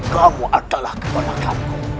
kamu adalah kebenakanku